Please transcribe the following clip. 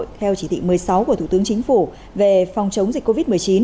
theo chỉ thị một mươi sáu của thủ tướng chính phủ về phòng chống dịch covid một mươi chín